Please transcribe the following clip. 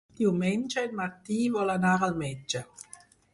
Diumenge en Martí vol anar al metge.